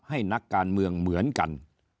ให้นักการเมืองเหมือนกัน